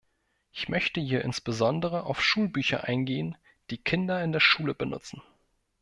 Ich möchte hier insbesondere auf Schulbücher eingehen, die Kinder in der Schule benutzen.